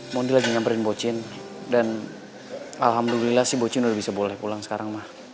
mondi lagi nyamperin bocin dan alhamdulillah si bocin udah bisa boleh pulang sekarang mah